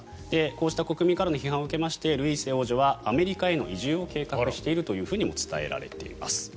こうした国民からの批判を受けましてルイーセ王女はアメリカへの移住を計画しているとも伝えられています。